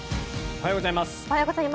おはようございます。